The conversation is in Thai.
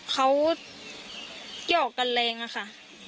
เขาหยอกกันเรนค่ะ